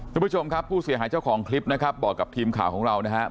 คุณผู้ชมครับผู้เสียหายเจ้าของคลิปนะครับบอกกับทีมข่าวของเรานะครับ